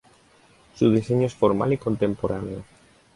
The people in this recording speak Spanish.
Su diseño es formal y contemporáneo.